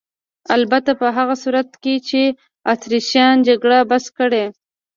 البته په هغه صورت کې چې اتریشیان جګړه بس کړي.